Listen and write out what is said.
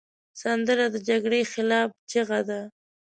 سندره د جګړې خلاف چیغه ده